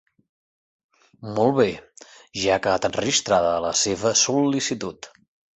Molt bé, ja ha quedat enregistrada la seva sol·licitud.